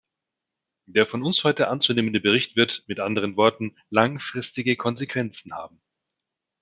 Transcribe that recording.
Der von uns heute anzunehmende Bericht wird mit anderen Worten langfristige Konsequenzen haben.